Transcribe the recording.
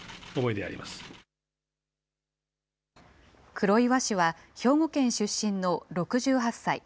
黒岩氏は兵庫県出身の６８歳。